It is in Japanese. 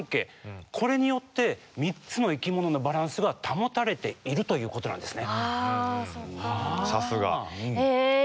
これによって３つの生きもののバランスが保たれているということなんですね。